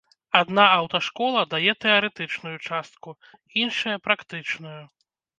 Адна аўташкола дае тэарэтычную частку, іншая практычную.